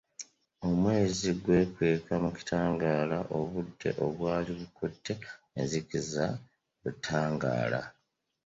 Omwezi gwekweka mu kitangaala obudde obwali bukutte enzikiza ne butangaala.